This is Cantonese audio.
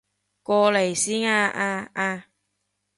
過嚟先啊啊啊